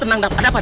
tenang ada apa apa